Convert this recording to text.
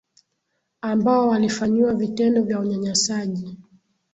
ambao walifanyiwa vitendo vya unyanyasaji